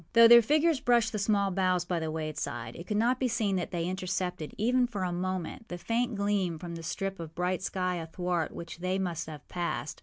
Though their figures brushed the small boughs by the wayside, it could not be seen that they intercepted, even for a moment, the faint gleam from the strip of bright sky athwart which they must have passed.